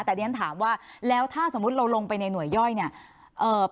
แต่ดิฉันถามว่าแล้วถ้าสมมุติเราลงไปในหน่วยย่อยเนี่ยเอ่อ